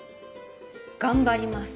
頑張ります。